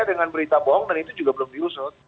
dengan berita bohong dan itu juga belum diusut